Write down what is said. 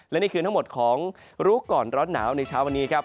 และนี่คือทั้งหมดของรู้ก่อนร้อนหนาวในเช้าวันนี้ครับ